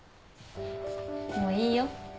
もういいよ。